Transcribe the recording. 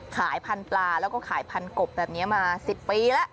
ขายพันธุ์ปลาแล้วก็ขายพันกบแบบนี้มา๑๐ปีแล้ว